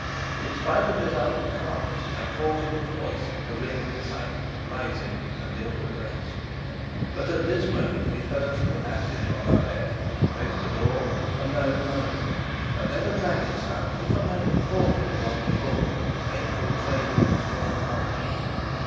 In spite of his outward calmness, I caught in his voice the ring of excitement rising and ill repressed. But at this moment we heard from the passage on our left (as we faced the door) a low moan, and then a dragging sound, as if a man were crawling along the floor, painfully trailing his limbs after him.